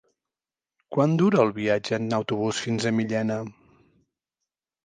Quant dura el viatge en autobús fins a Millena?